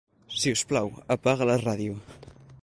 Si us plau, apaga la ràdio.